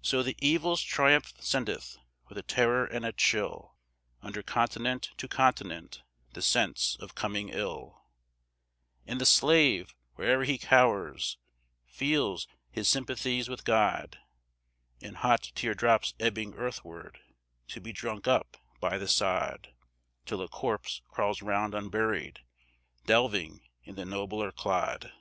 So the Evil's triumph sendeth, with a terror and a chill, Under continent to continent, the sense of coming ill, And the slave, where'er he cowers, feels his sympathies with God In hot tear drops ebbing earthward, to be drunk up by the sod, Till a corpse crawls round unburied, delving in the nobler clod.